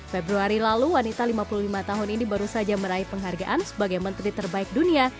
februari lalu wanita lima puluh lima tahun ini baru saja meraih penghargaan sebagai menteri terbaik dunia